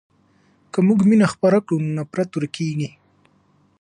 که موږ مینه خپره کړو نو نفرت ورکېږي.